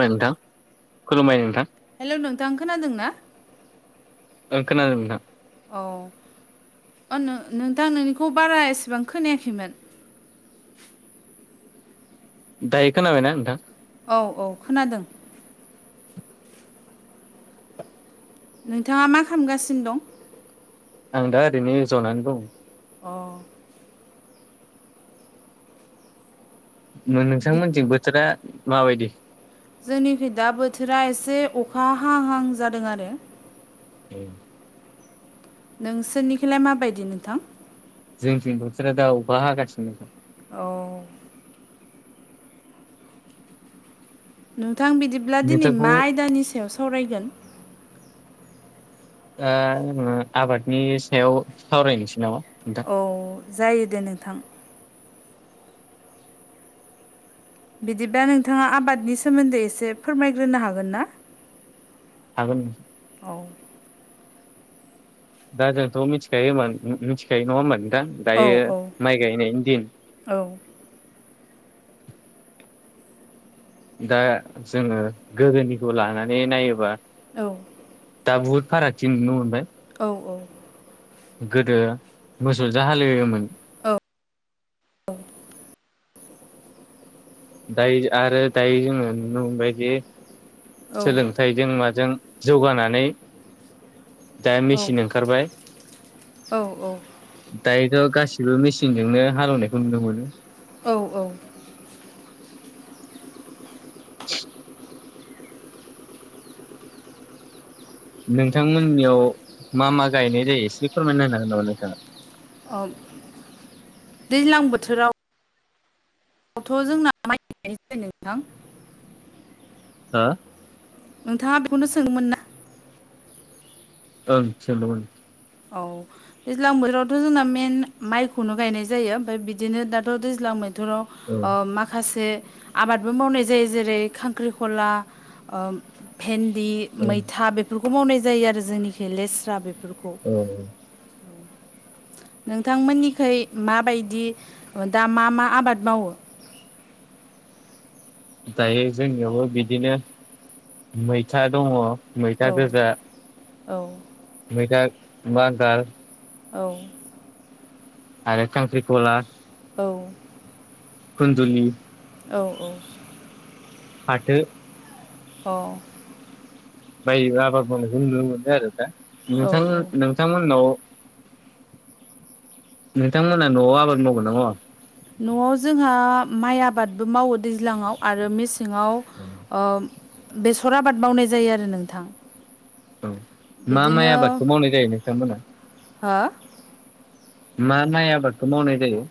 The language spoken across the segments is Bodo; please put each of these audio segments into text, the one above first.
बाय नोंथां खुलुमबाय नोंथां। हेल' नोंथां खोनादों ना? ओं खोनादों नोंथां। अ' ओ नो-नोंथां नोंनिखौ बारा एसेबां खोनायाखैमोन। दायो खोनाबायना नोंथां? औ औ खोनादों। नोंथाङा मा खामगासिनो दं? आं दा ओरैनो जनानै दं। अ नो-नोंथांमोनथिं बोथोरा माबायदि? जोंनिखि दा बोथोरा एसे अखा हां हां जादों आरो। उम नोंसोरनिखौलाय माबायदि नोंथां? जोंथिं बोथोरा दा अखा हागासिनो। अ नोंथां बिदिब्ला दिनै नोंथांखौ मा आयदानि सायाव सावरायगोन? ओ आबादनि सायाव सावरायनोसै नामा? नोंथां औ जायो दे नोंथां। बिदिबा नोंथाङा आबादनि सोमोन्दै एसे फोरमायग्रोनो हागोन ना? हागोन। औ! दा जोंथ' मिथिखायो मिथिखायो नङा होनोमबा नोंथां? दायो औ माइ गायनायनि दिन औ! दा जोङो गोदोनिखौ लानानै नायोबा औ! दा बुहुत फारागथि नुनो मोनबाय। औ औ! गोदो मोसौजों हालेयोमोन। दायो आरो दायो जोङो नुनो मोनबायदि औ सोलों फिथाइजों माजों जौगानानै दा औ औ मेसिन ओंखारबाय। औ औ! दायोथ' गासिबो मेचिनजोंनो हालेवनायखौ नुनो मोनो। औ-औ! [inaudible] नोंथांमोननियाव मा मा गायनाय जायो एसे फोरमायना होनो हागोन नामा नोंथाङा? अ' दैज्लां बोथोराव आथ' जोंना माइ [unintelligible] नोंथां। हो? नोंथाङा बेखौनो सोङोमोन ना? ओं सोंदोंमोन। औ! दैज्लां बोथोरावथ' जोंना मेन माइखौनो गायनाय जायो। ओमफ्राय बिदिनो दाथ' दैज्लां बोथोराव औ अ' माखासे आबादबो मावनाय जायो। जेरै खांख्रिखला अ भेन्दि औ मैथा बेफोरखौ मावनाय जायो आरो जोंनिखि लेस्रा बेफोरखौ। [unintelligible] नोंथांमोननिखै माबायदि दा मा मा आबाद मावो? दायो जोंनियावबो बिदिनो मैथा दङ मैथा औ गोजा औ मैथा बांगाल औ आरो सांख्रिखला औ खुन्दुलि औ औ फाथो अ बाय आबाद मावनायखौ नुनो मोनो आरो दा नोंथां औ नोंथांमोननाव नोंथांमोना न'आव आबाद मावगोना मावा? न'आव जोंहा माइ आबादबो मावो दैज्लाङाव आरो मेसेङाव औ [inaudible] अ बेसर आबाद मावनाय जायो आरो नोंथां। मा माइ बिदिनो आबादखौ मावनाय जायो नोंथांमोना हो मा माइ आाबादखौ मावनाय जायो?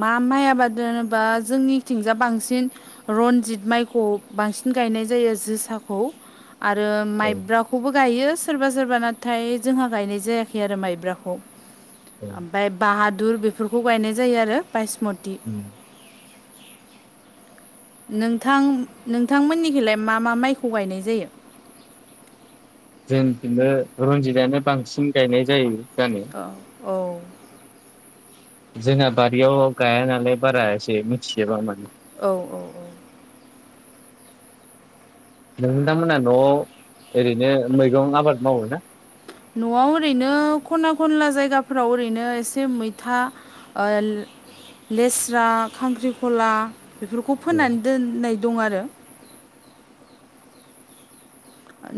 मा माइ आबाद जेनेबा जोंनिथिंजा बांसिन रनजित माइखौ बांसिन गायनाय जायो जोसाखौ आरो औ माइब्राखौ खौबो गायो सोरबा सोरबा नाथाय जोंहा गायनाय जायाखै आरो माइब्राखौ औ ओमफ्राय बाहादुर बेफोरखौ गायनाय जायो आरो बायसमति उम नोंथां नोंथांमोननिखौलाय मा मा माइखौ गायनाय जायो? जोंदिनो रनजितानो बांसिन गायनाय जायो गानि औ औ जोंना बारियाव गाया नालाय बारा एसे मिथिजोबा माने औ औ नोंथांमोना न'आव ओरैनो मैगं आबाद मावो ना? न'आव ओरैनो खना खनला जायगाफोराव ओरैनो एसे मैथा ओ‌ लेस्रा खांख्रिखला बेफोरखौ फोननानै दोननाय दं आरो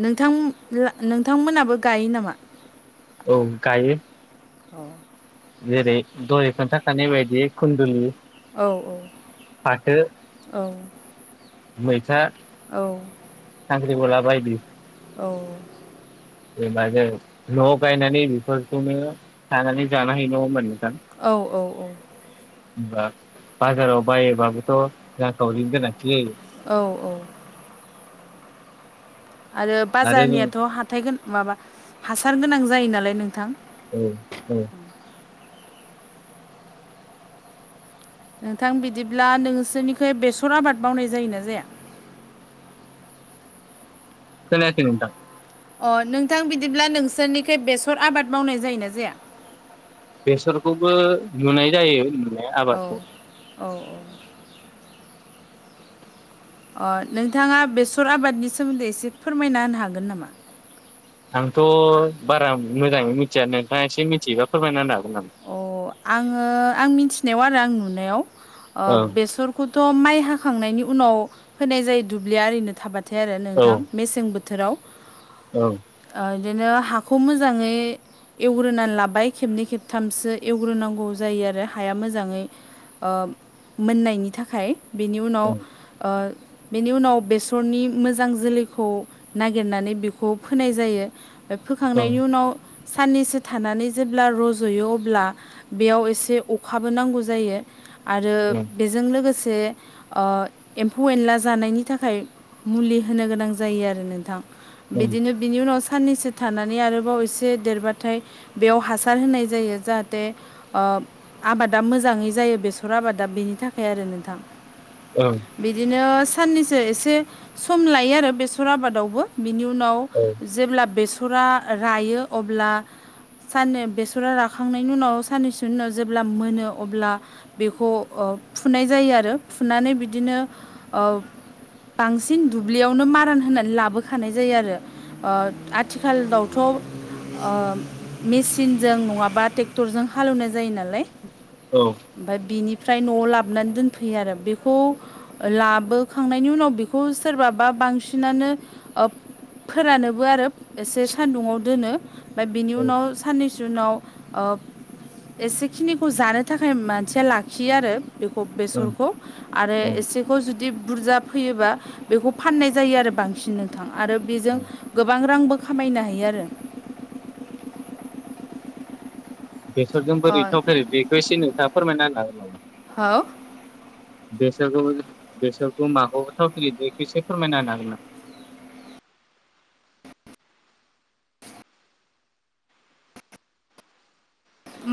नोंथां नोंथांमोनाबो गायो नामा? औ गायो। औ जेरै दहाय‌ खोनथाखानाय बायदियै खुन्दुलि औ फाथो औ मैथा औ खांख्रिखला बायदि औ बाजे न'आव‌ गायनानै बेफोरखौनो खानानै जानो हायो नंङा होनबा‌ नोंथां? औ औ औ हबा बाजाराव बायोबाबोथ' रांखावरिनि गोनांथि जायो। औ औ आरो बाजारनियाथ' हाथाइ माबा हासार गोनां जायो नालाय नोंथां- उम उम नोंथां बिदिब्ला नोंसोरनिख बेसर आबाद मावनाय जायोना जाया? खोनायाखै नोंथां अ नोंथां बिदिब्ला नोंसोरनिख बेसर आबाद मावनाय जायोना जाया? बेसरखौबो नुनाय जायो नुनाया आबादखौ औ औ औ अ नोंथाङा बेसर आबादनि सोमोन्दै एसे फोरमायना होनो हागोन नामा? आंथ' बारा मोजाङै मिथिया नोंथाङा एसे मिथियोबा फोरमायनानै हागोन नामा? अ आङो आं मिथिनायाव आरो आं नुनायाव ओ औ बेसरखौ खौथ' माइ हाखांनायनि उनाव फोनाय जायो दुब्लिया आरैनो थाबाथाय आरो नोंथां। औ मेसें बोथोराव। औ ओ बिदिनो हाखौ मोजाङै एवग्रोनानै लाबाय खेबनै खेब थामसो एवग्रोनांगौ जायो आरो हाया मोजाङै ओ मोननायनि थाखाय बेनि उनाव ओ बेनि उनाव बेसरनि मोजां जोलैखौ नागिरनानै बेखौ फोनाय जायो। फोखांनायनि उनाव साननैसो थानानै जेब्ला रज' जयो अब्ला बेयाव एसे अखाबो नांगौ जायो। आरो बेजों लोगोसे ओक्षएम्फौ एनला जानायनि थाखाय मुलि होनो गोनां जायो आरो नोंथां। बिदिनो बिनि उनाव साननैसो थानानै आरोबाव एसे देरबाथाय बेयाव हासार होनाय जायो जाहाथे ओ आबादा मोजाङै जायो बेसर आबादा बेनि थाखाय आरो नोंथां। औ बिदिनो साननैसो एसे सम लायो आरो बेसर आबादावबो बिनि उनाव औ ओं औ जेब्ला बेसरा रायो अब्ला सान बेसर सिुरा राखांनायनि उनाव साननैसोनि उनाव जेब्ला मोनो अब्ला बेखौ फुनाय जायो आरो फुनानै बिदिनो औ बांसिन दुब्लियावनो मारान होनानै लाबोखानाय जायो आरो। ओ आथिखालावथ' ओ मेचिन जों नङाबा ट्रेक्टरजों हालेवनाय जायो नालाय। औ। ओमफ्रय बिनिफ्राय न'आव लाबोनानै दोनफैयो आरो बेखौ। लाबोखांनायनि उनाव बेखौ सोरबाबा बांसिनानो फोरानोबो आरो एसे सानदुंङाव दोनो ओमफ्राय बिनि उनाव औ साननैसो जनाव ओ एसेखिनिखौ जानो थाखाय मानसिया लाखियो आरो। बेखौ ओं बेसरखौ आरो औ एसे खौ जुदि बुरजा फैयोबा बेखौ फाननाय जायो आरो बांसिन नोंथां आरो बेजों गोबां रांबो खामायनो हायो आरो। बेसरजों बोरै अ थावफेरेदो बेखौ एसे नोंथाङा फोरमायना होनो हागोन नामा? हो बेसरखौ बेसरखौ माखौ थाव फेरेदनायखौ एसे फोरमायना होनो हागोन ना?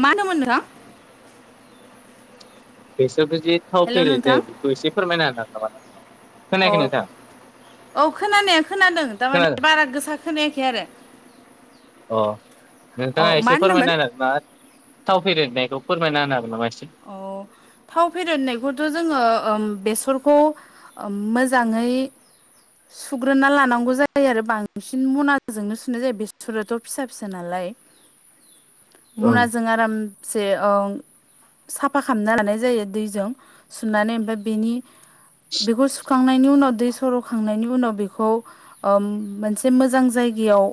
मा होन्दोंमोन नोंथां? बेसरखौ जि थाव हेल' फेरेदो नोंथां बेखौ एसे फोरमायना होना हागोन नामा नोंथाङा खोनायाखै औ नोंथां? औ खोनानाया खोनादों खोनादों थारमाने बारा गोसा खोनायाखै आरो। अ अ नोंथाङा मा एसे फोरमायना होनदोंमोन? होनो हागोन नामा थाव फेरेनायखौ फोरमायना होनो हागोन नामा एसे औ थाव फेदेरनायखौथ' जोङो बेसरखौ मोजाङै सुग्रोना लानांगौ जायो आरो बांसिन मनाजोंनो सुनाय जायो बेसराथ' फिसा फिसा नालाय। ओं मनाजों आरामसे साफा खालामना लानाय जायो दैजों सुनानै ओमफाय बेनि बेखौ सुखांनायनि उनाव दै सर'खांनायनि उनाव बेखौ ओ मोनसे मोजां जायगायाव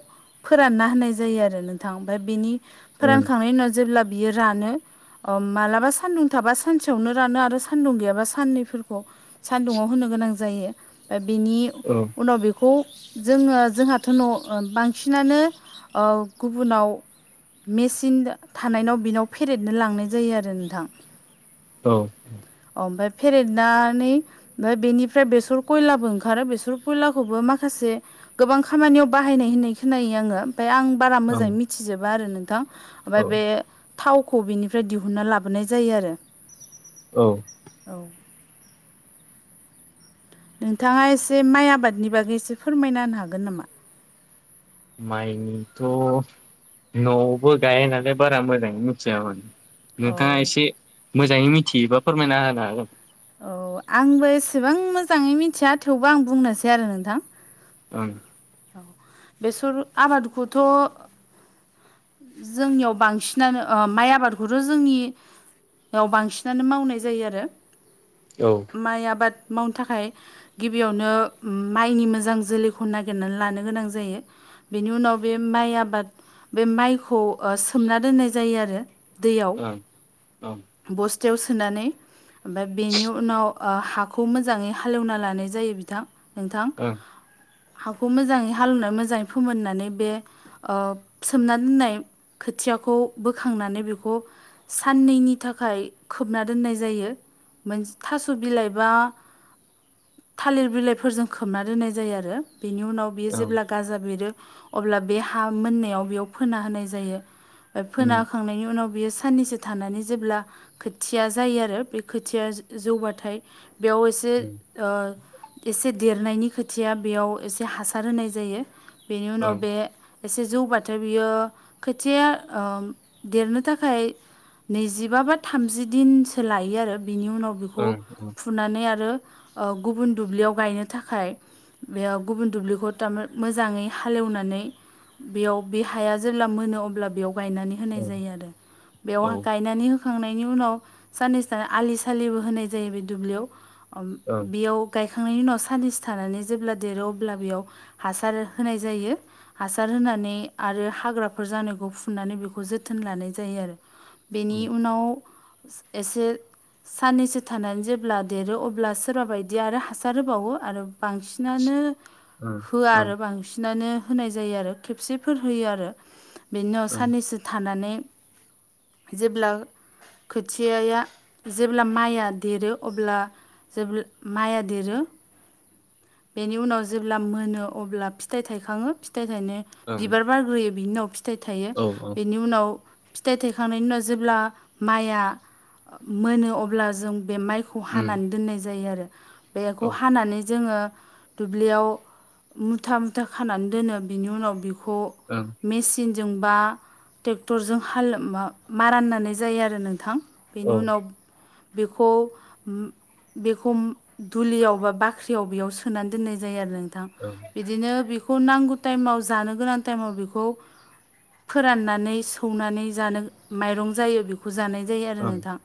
फोरानना होनाय जायो आरो नोंथां ओमफ्राय बिनि ओं फोरानखांनायनि उनाव जेब्ला बियो रानो मालाबा सान्दुं थाबा सानसेयावनो रानो आरो सान्दुं गैयाबा साननैफोरखौ सान्दुुंआव होनो गोनां जायो बेनि औ उनाव बेखौ जोङो जोंहाथ' न' बांसिनानो ओ गुबुनाव मेचिन थानायनाव बिनाव फेरेदनो लांनाय जायो आरो न नोंथां औ ओमफाय फेरेदनानै ओमफाय बेनिफ्राय बेसर खयलाबो ओंखारो बेसर खयलाखौबो माखासे गोबां खामानियाव बाहायनाय होननाय खोनायो आङो ओमफाय आं बारा ओं मोजाङै मिथिजोबा आरो नोंथां ओमफाय औ बे थावखौ बिनिफ्राय दिहुनना लाब बोनाय जायो आरो औ औ नोंथाङा एसे माइ आबादनि बागै एसे फोरमायना होनो हागोन नामा माइनिथ' न'आवबो गाया नालाय बारा मोजाङै मिथियामोन औ नोंथाङा एसे मोजाङै मिथियोबा फोरमायना होनो हागोन औ आंबो एसेबां मोजाङै मिथिया थेवबो आं बुंनोसै आरो नोंथां ओं औ बेसर आबादखौथ' जोंनियाव बांसिनानो माइ आबादखौथ' जोंनि याव बांसिनानो मावनाय जायो आरो औ माइ आबाद मावनो थाखाय गिबियावनो माइनि मोजां जोलैखौ ना नागिरनानै लानो गोनां जायो बेनि उनाव बे माइ आबाद बे माइखौ ओ सोमना दोननाय जायो आरो दैयाव ओं ओं बस्थायाव सोनानै ओमफाय बेनि उनाव हाखौ मोजाङै हालेवना लानाय जायो बिथां नोंथां ओं हाखौ मोजाङै हालेवनाय मोजाङै फोमोननानै बे ओ सोमना दोननाय खोथियाखौ बोखांनानै बेखौ साननैनि थाखाय खोबना दोननाय जायो मोन थास' बिलाइ बा थालिर बिलाइफोरजों खोबना दोननाय जायो आरो बेनि उनाव बियो ओं जेब्ला गाजा बेरो अब्ला बे हा मोननायाव बेयाव फोना होनाय जायो फोना उम होखांनायनि उनाव बियो साननैसो थानानै जेब्ला खोथिया जायो आरो बे खोथिया जौबाथाय बेयाव एसे उम ओ एसे देरनायनि खोथिया बेयाव एसे हासार होनाय जायो बेनि उनाव ओं बे एसे जौबाथाय बियो खोथिया देरनो थाखाय नैजिबा बा थामजि दिनसो लायो आरो बिनि उनाव बेखौ ओं ओं फुनानै आरो ओ गुबुन दुब्लियाव गायनो थाखाय बेयाव गुबुन दुब्लिखौ थारमा- मोजाङै हालेवनानै बेयाव बे हाया जेब्ला मोनो अब्ला बेयाव गायनानै होनाय ओं जायो आरो बेयाव औ गायनानै हो होखांनायनि उनाव साननैसो थाना आलि सालिबो होनाय जायो बे दुब्लियाव ओं बेयाव गायखांनायनि उनाव साननैसो थानानै जेब्ला देरो अब्ला बेयाव हासार होनाय जायो। हासार होनानै आरो हाग्राफोर जानायखौ फुननानै बेखौ जोथोन लानाय जायो आरो बेनि ओं उनाव एसे साननैसो थानानै जेब्ला देरो अब्ला सोरबा बायदि आरो हासार होबावो आरो बांसिनानो ओं होआ ओं आरो बांसिनानो होनाय जायो आरो खेबसेफोर होयो आरो बिनि उाव ओं साननैसो थानानै जेब्ला खोथियाया जेब्ला माइया देरो अब्ला जेब्ला माया देरो बेनि उनाव जेब्ला मोनो अब्ला फिथाइ थाइखाङो फिथाइ थाइनाय ओं बिबार बारग्रोयो बिनि उनाव फिथाइ थायो औ बिनि उनाव फिथाइ थायखांनायनि उनाव जेब्ला माइआ मोनो अब्ला जों बे माइखौ खौ उम हानानै दोननाय जायो आरो बेखौ औ हानानै जोङो दुब्लियाव मुथा मुथा खानानै दोनो बिनि उनाव बिखौ ओं मेसिनजों बा ट्रेक्टरजों हाल माराननानै जायो आरो नोंथां। औ बेनि उनाव बेखौ बेखौ दुलियाव बा बाख्रियाव बेयाव स नोनानै दोननाय जायो आरो नोंथां औ बिदिनो बेखौ नांगौ टाइमाव जानो गोनां टाइमाव बेखौ फोराननानै सौनानै जानो माइरं जायो बेखौ जानाय जायो आरो ओं नोंथां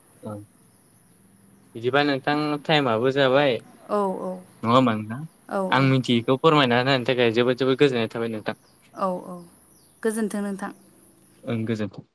बिदिबा नोंथां टाइमाबो जाबाय। औ औ नङा होमबा नथा औ आं मिथियैखौ फोरमायना होनायनि थाखाय जोबोद जोबोद गोजोननाय थाबाय नोंथां औ औ गोजोन्थों नोंथां ओं गोजोनथों